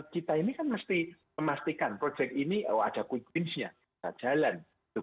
kita ini kan mesti memastikan proyek ini ada quick wins nya jalan